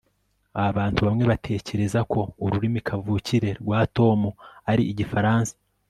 abantu bamwe batekereza ko ururimi kavukire rwa tom ari igifaransa